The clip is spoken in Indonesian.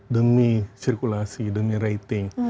demi sirkulasi demi rating